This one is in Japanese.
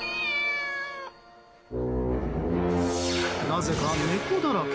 なぜか猫だらけ。